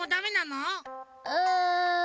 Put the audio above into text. うん。